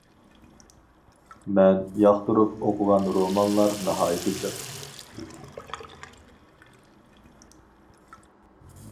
مەن ياقتۇرۇپ ئوقۇغان رومانلار ناھايىتى جىق.